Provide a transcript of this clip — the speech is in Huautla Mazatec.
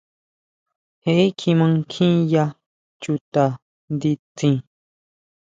Je kjima nkjiya chuta nditsin.